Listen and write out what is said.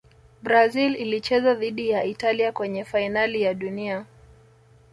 brazil ilicheza dhidi ya italia kwenye fainali ya dunia